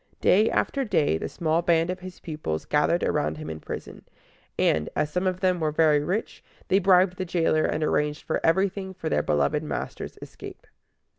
Day after day the small band of his pupils gathered around him in prison; and, as some of them were very rich, they bribed the jailer, and arranged everything for their beloved master's escape.